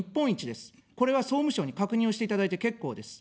これは総務省に確認をしていただいて結構です。